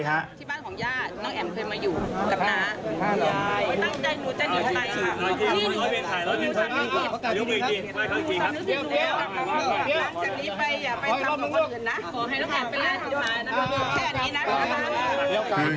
หลังจากนี้ไปอย่าไปทำกับคนอื่นนะ